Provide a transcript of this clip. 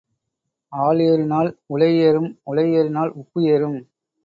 ஆள் ஏறினால் உலை ஏறும் உலை ஏறினால் உப்பு ஏறும்.